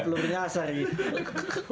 telurnya asar gitu